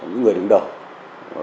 những người đứng đầu